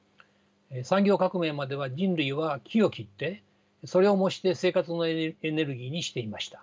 産業革命までは人類は木を切ってそれを燃して生活のエネルギーにしていました。